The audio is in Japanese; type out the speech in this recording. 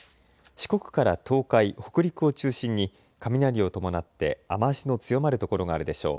四国から東海、北陸を中心に雷を伴って雨足の強まる所があるでしょう。